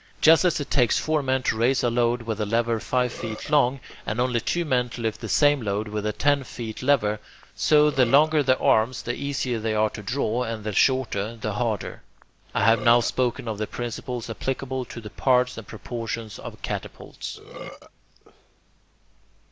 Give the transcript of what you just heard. Just as it takes four men to raise a load with a lever five feet long, and only two men to lift the same load with a ten foot lever, so the longer the arms, the easier they are to draw, and the shorter, the harder. I have now spoken of the principles applicable to the parts and proportions of catapults.